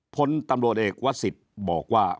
พลตำรวจเอกวสิทธิ์บอกว่า